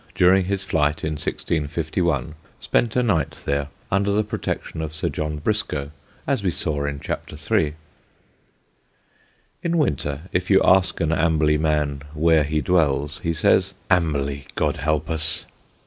during his flight in 1651, spent a night there under the protection of Sir John Briscoe, as we saw in Chapter III. In winter, if you ask an Amberley man where he dwells, he says, "Amberley, God help us."